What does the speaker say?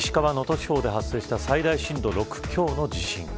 地方で発生した最大震度６強の地震。